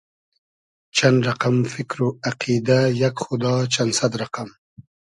چئن رئقئم فیکر و اقیدۂ یئگ خودا چئن سئد رئقئم